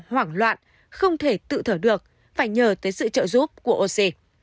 nó hoảng loạn không thể tự thở được phải nhờ tới sự trợ giúp của oc